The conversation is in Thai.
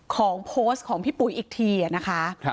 ของโพสต์ของพี่ปุ๋ยอีกทีนะคะ